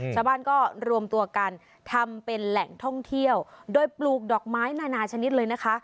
ชาวบ้านก็รวมตัวกันทำเป็นแหล่งท่องเที่ยวโดยปลูกดอกไม้นานาชนิดเลยนะคะ